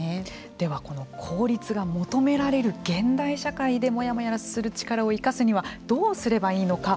では、この効率が求められる現代社会でモヤモヤする力を生かすにはどうすればいいのか。